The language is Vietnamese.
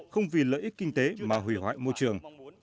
không vì lợi ích kinh tế mà hủy hoại môi trường